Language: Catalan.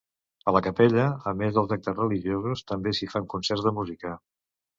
A la capella, a més dels actes religiosos, també s'hi fan concerts de música.